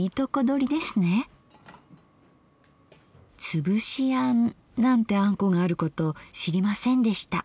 「つぶしあん」なんてあんこがあること知りませんでした。